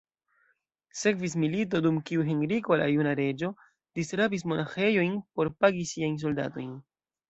Sekvis milito, dum kiu Henriko la Juna Reĝo disrabis monaĥejojn por pagi siajn soldatojn.